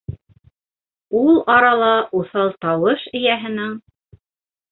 Ул арала уҫал тауыш эйәһенең: